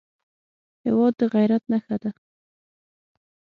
هېواد د غیرت نښه ده.